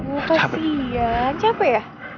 oh kasihan capek ya